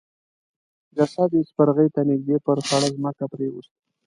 جسد يې سپرغي ته نږدې پر خړه ځمکه پريېست.